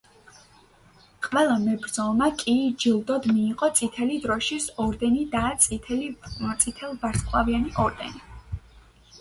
ყველა მებრძოლმა კი ჯილდოდ მიიღო წითელი დროშის ორდენი და წითელ ვარსკვლავიანი ორდენი.